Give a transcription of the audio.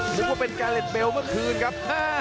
นึกว่าเป็นแกเล็ดเบลเมื่อคืนครับ